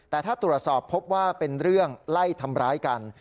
แต่ถ้าตรวจสอบพบว่าเป็นเรื่องไล่ทำร้ายกัน